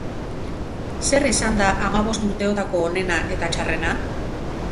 Zer izan da hamabost urteotako onena eta txarrena?